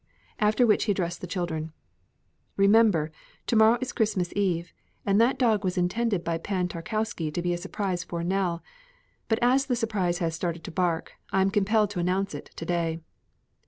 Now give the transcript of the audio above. After which he addressed the children: "Remember, to morrow is Christmas Eve, and that dog was intended by Pan Tarkowski to be a surprise for Nell, but as the surprise has started to bark, I am compelled to announce it to day."